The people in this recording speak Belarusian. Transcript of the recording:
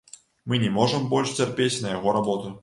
Мы не можам больш цярпець на яго работу.